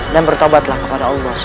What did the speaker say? dan bertobatlah kepada allah swt